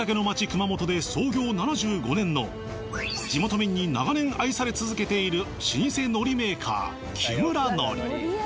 熊本で創業７５年の地元民に長年愛され続けている老舗海苔メーカー木村海苔